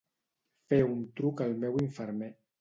Fer un truc al meu infermer.